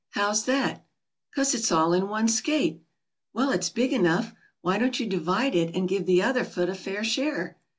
How's that?" "'Cause it's all in one skate." "Well, it's big enough. Why don't you divide it, and give the other foot a fair share?"